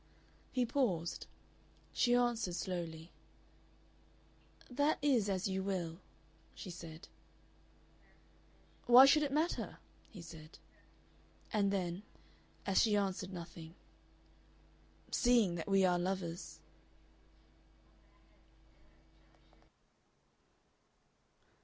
He paused. She answered slowly. "That is as you will," she said. "Why should it matter?" he said. And then, as she answered nothing, "Seeing that we are lovers."